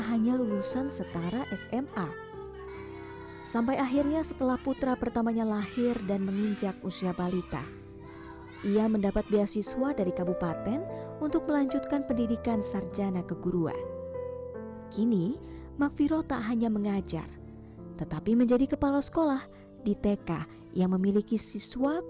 hafika mengajar makfiro stara sma lagi setelah putra pertamanya lahir dan menginjak usia balita ia mendapat beasiswa dari kabupaten untuk melanjutkan pendidikan sarjana keguruan kini makfi rota hanya mengajar tetapi menjadi kepala sekolah di tekah yang memiliki siswa kuracaraja